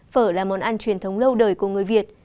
phở là món ăn truyền thống lâu đời của người việt